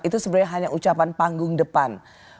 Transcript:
itu sebenarnya hanya ucapan panggung depan